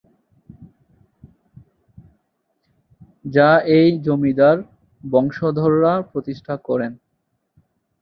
যা এই জমিদার বংশধররা প্রতিষ্ঠা করেন।